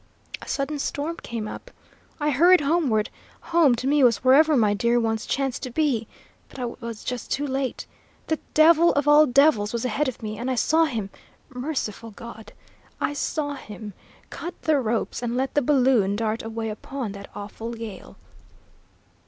"A sudden storm came up. I hurried homeward; home to me was wherever my dear ones chanced to be; but I was just too late! That devil of all devils was ahead of me, and I saw him merciful God! I saw him cut the ropes and let the balloon dart away upon that awful gale!"